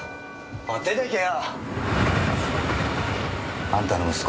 おい出てけよ。